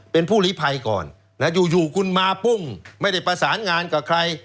เป็นผู้หลีภัยก่อนอยู่คุณมาปุ้งไม่ได้ประสานงานกับใคร